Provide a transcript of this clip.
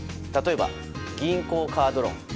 例えば、銀行カードローン。